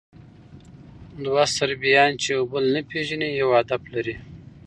دوه صربیان، چې یو بل نه پېژني، یو هدف لري.